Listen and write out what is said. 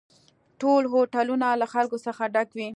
ټول هوټلونه له خلکو څخه ډک وي